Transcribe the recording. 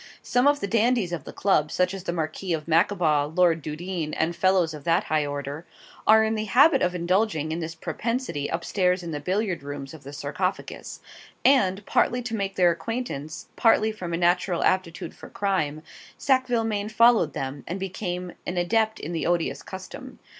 Some of the dandies of the Club, such as the Marquis of Macabaw, Lord Doodeen, and fellows of that high order, are in the habit of indulging in this propensity upstairs in the billiard rooms of the 'Sarcophagus' and, partly to make their acquaintance, partly from a natural aptitude for crime, Sackville Maine followed them, and became an adept in the odious custom.